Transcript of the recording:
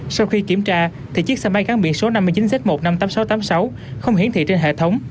sau khi kiểm tra thì chiếc xe máy gắn biển số năm mươi chín z một trăm năm mươi tám nghìn sáu trăm tám mươi sáu không hiển thị trên hệ thống